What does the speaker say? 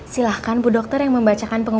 silahkan bu dokter yang membaca kata kata saya